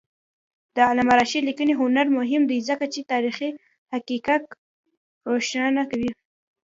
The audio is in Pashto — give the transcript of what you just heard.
د علامه رشاد لیکنی هنر مهم دی ځکه چې تاریخي حقایق روښانه کوي.